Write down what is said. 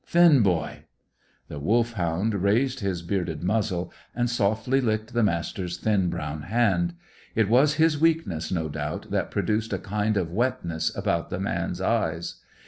Finn, boy!" The Wolfhound raised his bearded muzzle, and softly licked the Master's thin brown hand. It was his weakness, no doubt, that produced a kind of wetness about the man's eyes.